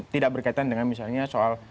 tidak berkaitan dengan misalnya soal